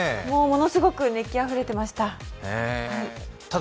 ものすごく熱気あふれていました。